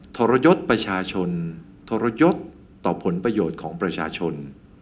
ทรยศประชาชนทรยศต่อผลประโยชน์ของประชาชน